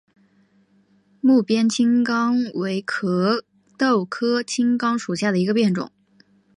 睦边青冈为壳斗科青冈属下的一个变种。